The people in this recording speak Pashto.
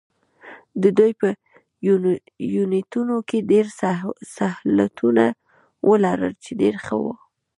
د دوی په یونیټونو کې ډېر سهولتونه ول، چې ډېر ښه وو.